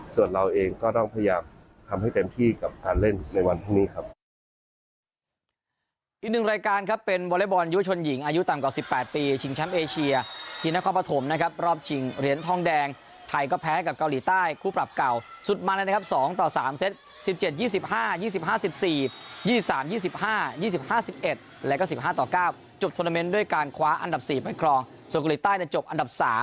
ส่วนเราเองก็ต้องพยายามทำให้เต็มที่กับการเล่นในวันพรุ่งนี้ครับ